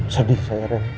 sedih saya ren